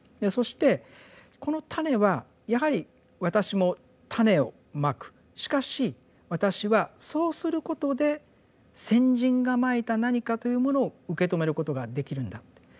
そしてこの種はやはり私も種を蒔くしかし私はそうすることで先人が蒔いた何かというものを受け止めることができるんだって。